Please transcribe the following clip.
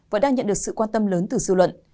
và đang nhận được sự quan tâm lớn từ dư luận